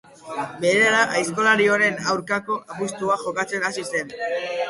Berehala aizkolari onenen aurkako apustuak jokatzen hasi zen.